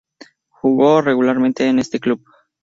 Jugo regularmente en este club.